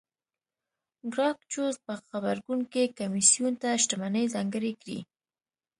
ګراکچوس په غبرګون کې کمېسیون ته شتمنۍ ځانګړې کړې